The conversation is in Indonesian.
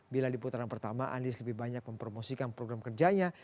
bila di putaran pertama anies lebih banyak mempromosikan program kerjanya